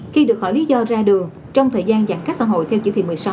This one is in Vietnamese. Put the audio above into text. khi được hỏi lý do ra đường trong thời gian giãn cách xã hội theo chỉ thị một mươi sáu